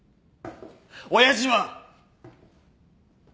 親父は！